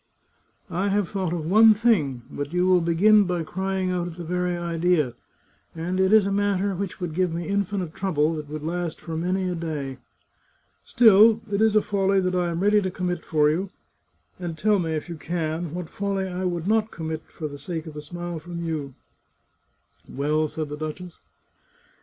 I have thought of one thing — but you will begin by crying out at the very idea — and it is a matter which would give me infinite trouble, that would last for many a day. Still, it is a folly that I am ready to commit for you — and tell me, if you can, what folly I would not commit for the sake of a smile from you ?"" Well ?" said the duchess.